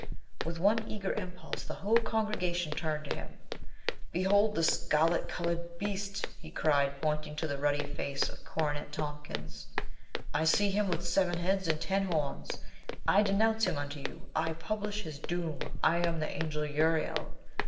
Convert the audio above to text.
With one eager impulse the whole congregation turned to him. "Behold the scarlet colored beast!" he cried, pointing to the ruddy face of Cornet Tomp kins. "I see him with seven heads and ten horns. I denounce him unto you. I publish his doom. I am the Angel Uriel.